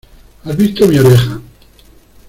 ¿ Has visto mi oreja?